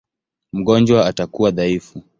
Mgonjwa atakuwa dhaifu.